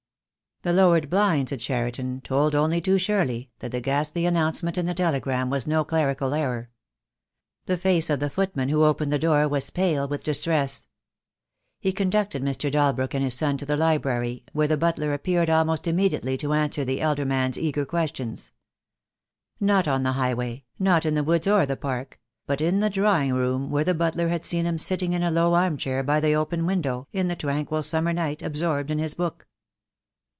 The lowered blinds at Cheriton told only too surely that the ghastly announcement in the telegram was no clerical error. The face of the footman who opened the door was pale with distress. He conducted Mr. Dalbrook and his son to the library, where the butler appeared almost immediately to answer the elder man's eager questions. Not on the highway, not in the woods or the Park, but in the drawing room where the butler had seen him sitting in a low arm chair by the open window, in the tranquil summer night, absorbed in his book.